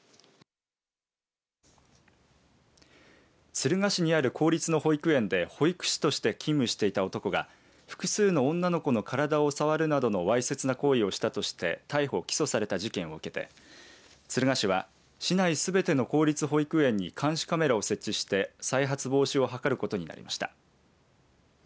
敦賀市にある公立の保育園で保育士として勤務していた男が複数の女の子の体を触るなどのわいせつな行為をしたとして逮捕、起訴された事件を受けて敦賀市は市内すべての公立保育園に監視カメラを設置して再発防止を図ることになりました。